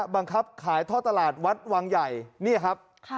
บังคับขายท่อตลาดวัดวังใหญ่นี่ครับ